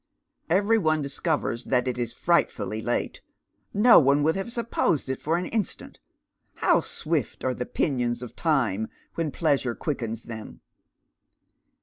Every one discovers that it is frightfully late. No one would have supposed it for an instant. How swift are the pinions of Time when pleasure quickens them